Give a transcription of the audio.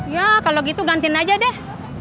ya kalo gitu gantin aja deh